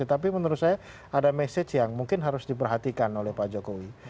tapi menurut saya ada message yang mungkin harus diperhatikan oleh pak jokowi